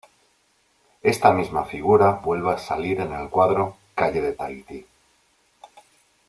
Esta misma figura vuelve a salir en el cuadro "Calle de Tahití".